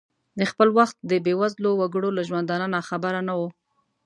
د خپل وخت د بې وزلو وګړو له ژوندانه ناخبره نه ؤ.